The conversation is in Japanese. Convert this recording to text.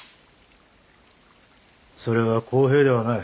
それは公平ではない。